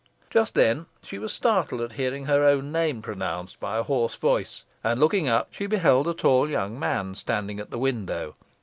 Just then she was startled at hearing her own name pronounced by a hoarse voice, and, looking up, she beheld a tall young man standing at the window.